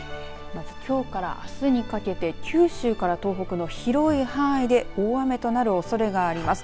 まず、きょうからあすにかけて九州から東北の広い範囲で大雨となるおそれがあります。